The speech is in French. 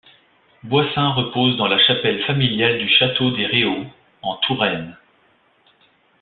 Boissin repose dans la chapelle familiale du château des Réaux, en Touraine.